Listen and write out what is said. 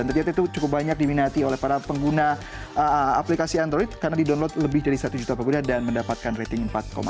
dan terlihat itu cukup banyak diminati oleh para pengguna aplikasi android karena didownload lebih dari satu juta pengguna dan mendapatkan rating empat enam